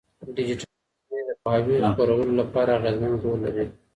ډيجيټلي رسنۍ د پوهاوي خپرولو لپاره اغېزمن رول لري.